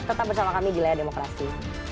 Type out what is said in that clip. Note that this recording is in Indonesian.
tetap bersama kami di layar demokrasi